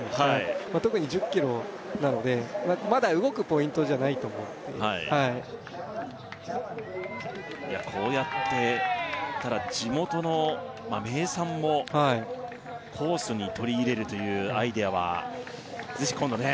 特に１０ｋｍなのでまだ動くポイントじゃないと思うんではいいやこうやってただ地元の名産もコースに取り入れるというアイデアは是非今度ね